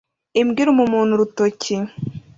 Imbwa iruma umuntu urutoki